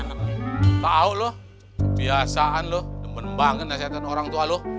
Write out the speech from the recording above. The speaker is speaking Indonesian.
pak auk loh kebiasaan loh temen banget nasihat orang tua lo